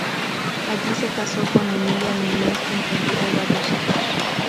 Allí, se casó con Emilia Núñez, con quien tuvo varios hijos.